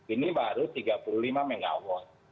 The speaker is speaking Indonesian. ini baru tiga puluh lima mw